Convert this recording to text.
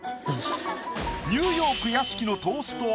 ニューヨーク屋敷のトースト